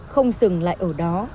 không dừng lại ở đó